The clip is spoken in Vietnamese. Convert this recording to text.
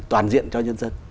toàn diện cho nhân dân